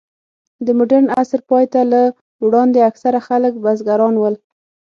د مډرن عصر پای ته له وړاندې، اکثره خلک بزګران ول.